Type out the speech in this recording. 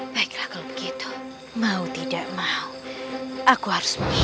baiklah kalau begitu mau tidak mau aku harus mengikuti